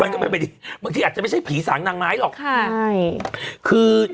มันก็ไปมึงสิอาจจะไม่ใช่ผีสางนางไม้หรอก